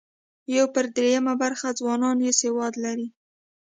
یو پر درېیمه برخه ځوانان یې سواد لري.